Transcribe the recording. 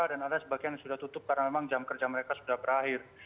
dan ada sebagian yang sudah tutup karena memang jam kerja mereka sudah berakhir